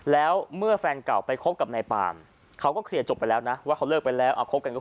แล้วเมื่อแฟนเก่าไปคบกับนายปามเขาก็เคลียร์จบไปแล้วนะว่าเขาเลิกไปแล้วคบกันก็